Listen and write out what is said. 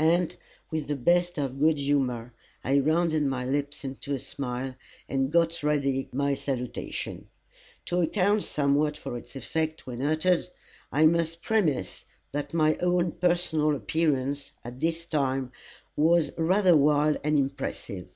And, with the best of good humour, I rounded my lips into a smile, and got ready my salutation. To account somewhat for its effect when uttered, I must premise that my own personal appearance, at this time, was rather wild and impressive.